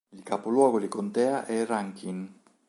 Il capoluogo di contea è Rankin.